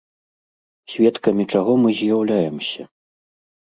Сведкамі чаго мы з'яўляемся?